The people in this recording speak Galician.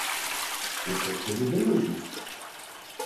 ¿O Concello de Lugo?